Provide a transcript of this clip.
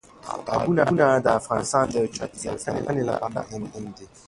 تالابونه د افغانستان د چاپیریال ساتنې لپاره مهم دي.